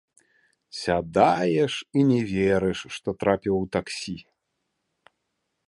Сядаеш і не верыш, што трапіў у таксі!